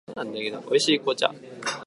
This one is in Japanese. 美味しい紅茶